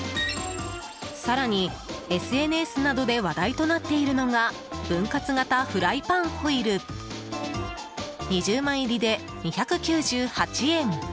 更にＳＮＳなどで話題となっているのが分割型フライパンホイル２０枚入りで２９８円。